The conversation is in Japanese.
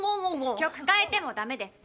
曲変えてもダメです。